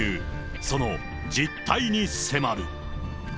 その実態に迫る。